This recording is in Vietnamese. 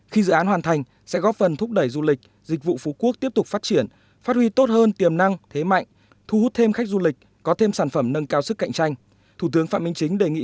khi dự án hoàn thành sẽ góp phần thúc đẩy du lịch dịch vụ phú quốc tiếp tục phát triển phát huy tốt hơn tiềm năng thế mạnh thu hút thêm khách du lịch có thêm sản phẩm nâng cao sức cạnh tranh